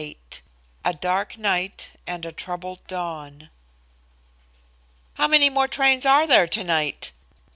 XXVIII A DARK NIGHT AND A TROUBLED DAWN "How many more trains are there tonight?"